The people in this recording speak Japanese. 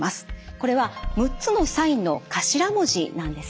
これは６つのサインの頭文字なんですね。